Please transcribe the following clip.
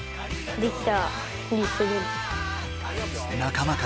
できた！